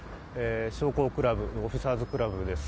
将校クラブ、オフィサーズ・クラブです。